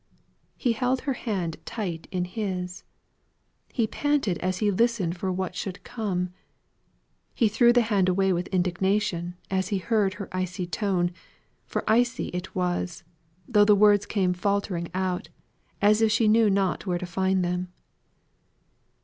He held her hand tight in his. He panted as he listened for what should come. He threw the hand away with indignation, as he heard her icy tone; for icy it was, though the words came faltering out, as if she knew not where to find them.